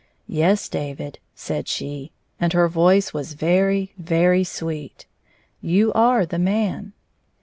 " Yes, David," said she, and her voice was very, very sweet, " you are the man."